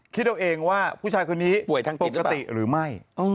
คิดเอาเองว่าผู้ชายคนนี้ปกติหรือไม่